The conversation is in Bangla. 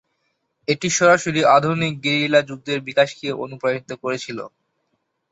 এটি সরাসরি আধুনিক গেরিলা যুদ্ধের বিকাশকে অনুপ্রাণিত করেছিল।